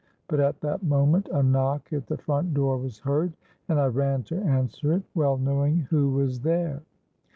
But at that moment, a knock at the front door was heard; and I ran to answer it, well knowing who were there.